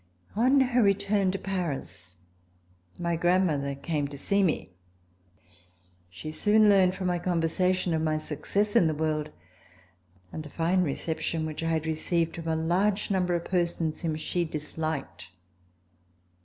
On her return to Paris my grandmother came to see me. She soon learned from my conversation of my success in the world and the fine reception which I had received from a large number of persons whom she disliked.